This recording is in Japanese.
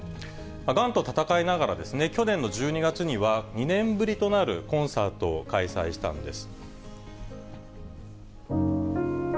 がんと闘いながらですね、去年の１２月には２年ぶりとなるコンサートを開催したんです。